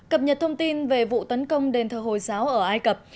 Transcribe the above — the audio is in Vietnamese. cập nhật thông tin về vụ tấn công đền thờ hồi giáo ở ai cập